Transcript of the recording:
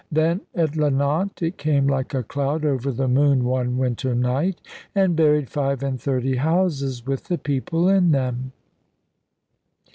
Then at Llanant it came like a cloud over the moon one winter night, and buried five and thirty houses with the people in them.